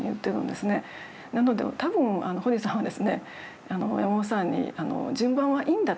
なので多分堀さんは山本さんに「順番はいいんだ。